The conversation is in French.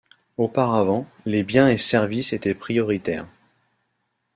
Auparavant, les biens et services étaient prioritaires.